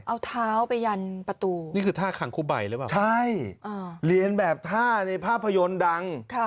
เอาเท้าไปยันประตูนี่คือท่าคังคุใบหรือเปล่าใช่เรียนแบบท่าในภาพยนตร์ดัง